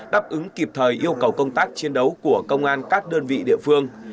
đáp ứng kịp thời yêu cầu công tác chiến đấu của công an các đơn vị địa phương